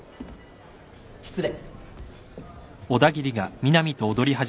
失礼。